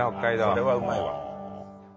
これはうまいわ。